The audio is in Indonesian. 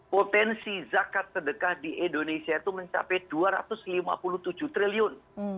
potensi zakat sedekah di indonesia itu mencapai dua ratus lima puluh tujuh triliun